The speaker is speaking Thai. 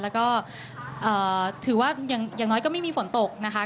แล้วก็ถือว่าอย่างน้อยก็ไม่มีฝนตกนะคะ